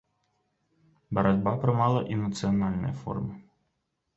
Барацьба прымала і нацыянальныя формы.